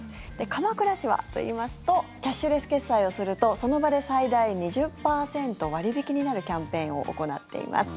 鎌倉市はといいますとキャッシュレス決済をするとその場で最大２０％割引きになるキャンペーンを行っています。